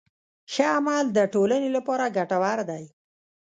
ښه عمل د ټولنې لپاره ګټور دی.